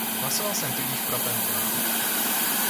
Hlasoval jsem tudíž pro tento návrh.